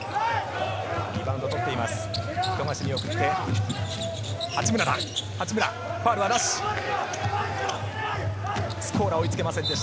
リバウンドを取っています。